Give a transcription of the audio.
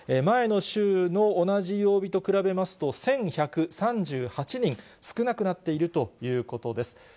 前の週の同じ曜日と比べますと、１１３８人少なくなっているということです。